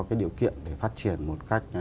cái điều kiện để phát triển một cách